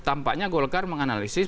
tampaknya golkar menganalisis